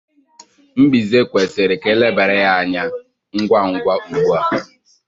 mbize kwesiri ka e lebàra ya anya mgwamgwa ugbua